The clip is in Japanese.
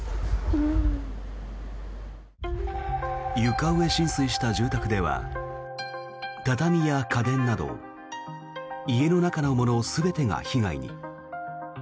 床上浸水した住宅では畳や家電など家の中のもの全てが被害に。